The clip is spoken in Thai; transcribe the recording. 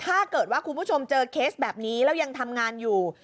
ถ้าเกิดว่าคุณผู้ชมเจอเคสแบบนี้แล้วยังทำงานอยู่